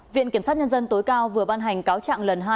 viện kiểm sát nhân dân tối cao vừa ban hành cáo trạng lần hai